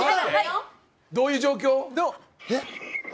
どういう状況。